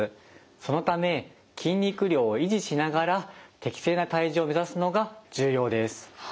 そのため筋肉量を維持しながら適正な体重を目指すのが重要です。